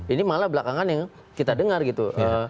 ini malah belakangan yang kita dengar gitu